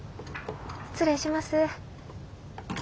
失礼します。